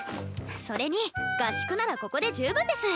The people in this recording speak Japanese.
それに合宿ならここで十分です。